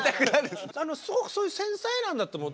すごくそういう繊細なんだと思う。